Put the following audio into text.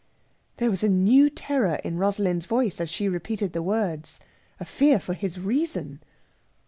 There was a new terror in Rosalind's voice as she repeated the words a fear for his reason.